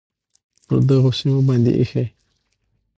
پر دغو سیمو باندې ایښی،